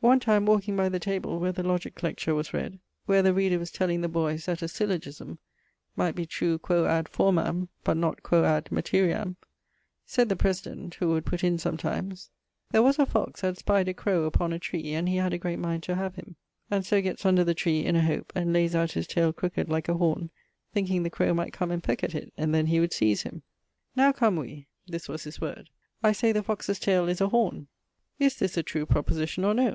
One time walking by the table where the Logick lecture was read, where the reader was telling the boyes that a syllogisme might be true quoad formam, but not quoad materiam; said the President (who would putt in sometimes), 'There was a fox had spyed a crowe upon a tree, and he had a great mind to have him, and so getts under the tree in a hope, and layes out his tayle crooked like a horne, thinking the crowe might come and peck at it, and then he would seise him. Now come we' (this was his word), 'I say the foxe's tayle is a horne: is this a true proposition or no?'